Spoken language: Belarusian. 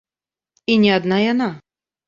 І не адна яна.